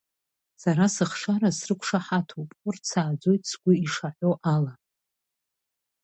Сара сыхшара срықәшаҳаҭуп, урҭ сааӡоит сгәы ишаҳәо ала.